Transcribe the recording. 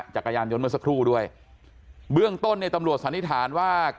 จักรยานยนต์เมื่อสักครู่ด้วยเบื้องต้นเนี่ยตำรวจสันนิษฐานว่า